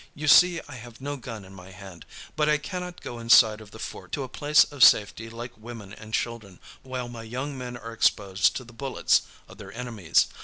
You see I have no gun in my hand; but I cannot go inside of the fort to a place of safety like women and children while my young men are exposed to the bullets of their enemies.